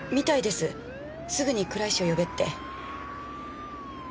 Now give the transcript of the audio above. すぐに倉石を呼べって。